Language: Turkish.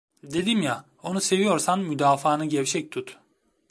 Dedim ya, onu seviyorsan müdafaanı gevşek tut.